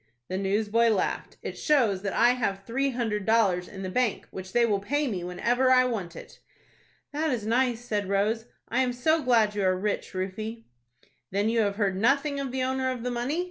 The newsboy laughed. "It shows that I have three hundred dollars in the bank, which they will pay me whenever I want it." "That is nice," said Rose. "I am so glad you are rich, Rufie." "Then you have heard nothing of the owner of the money, Rufus?"